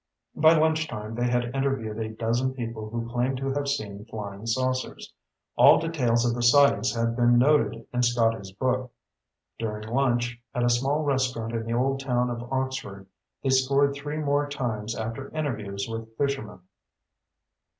By lunchtime they had interviewed a dozen people who claimed to have seen flying saucers. All details of the sightings had been noted in Scotty's book. During lunch, at a small restaurant in the old town of Oxford, they scored three more times after interviews with fishermen.